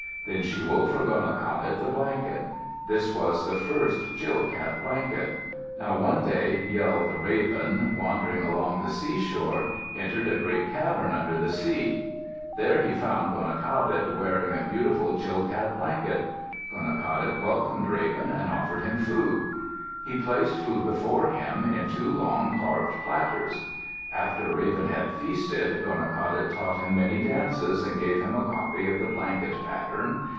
Then she wove for Gonaqadet the blanket. This was the first Chilkat blanket. Now one day Yel, the Raven, wandering along the seashore, entered a great cavern under the sea. There he found Gonaqadet, wearing a beautiful Chilkat blanket. Gonaqadet welcomed Raven, and offered him food. He placed food before him in two long carved platters. After Raven had feasted, Gonaqadet taught him many dances and gave him a copy of the blanket pattern.